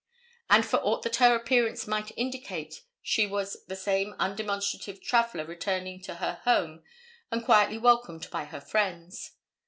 And for aught that her appearance might indicate she was the same undemonstrative traveler returning to her home and quietly welcomed by her friends.